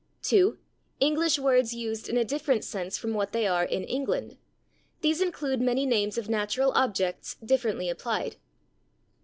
2. English words used in a different sense from what they are in England. These include many names of natural objects differently applied.